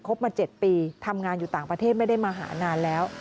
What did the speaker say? บมา๗ปีทำงานอยู่ต่างประเทศไม่ได้มาหานานแล้ว